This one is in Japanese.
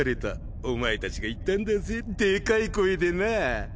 お前たちが言ったんだぜでかい声でな。